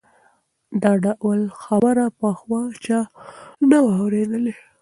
دا ډول خبره پخوا چا نه وه اورېدلې.